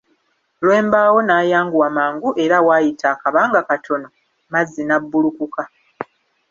Lwembaawo yayanguwa mangu era waayita akabagna katono Mazzi nabbulukuka.